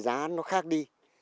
giá nó khác đi